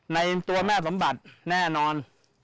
ในตัวแม่สมบัติแน่นอน